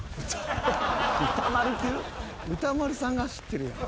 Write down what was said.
歌丸さんが走ってるやん。